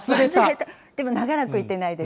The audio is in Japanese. でも長らく行ってないです。